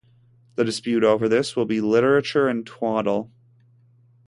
The dispute over this will be literature and twaddle.